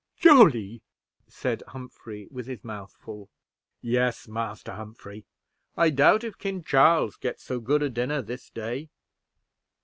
"This is jolly!" said Humphrey with his mouth full. "Yes, Master Humphrey. I doubt if King Charles eats so good a dinner this day.